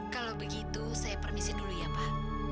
kalau begitu saya permisi dulu ya pak